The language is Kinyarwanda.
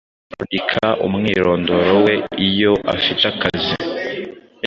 yandika umwirondoro we iyo afite akazi.